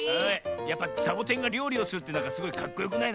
やっぱサボテンがりょうりをするってすごいかっこよくない？